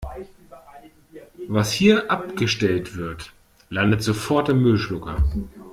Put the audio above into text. Was hier abgestellt wird, landet sofort im Müllschlucker.